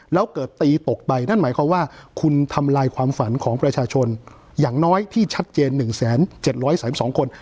แล้วเกิดตีตกไปนั่นหมายความว่าคุณทำลายความฝันของประชาชนอย่างน้อยที่ชัดเจน๑๗๓๒คน